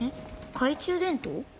懐中電灯？